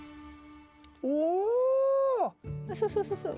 そうそうそうそう。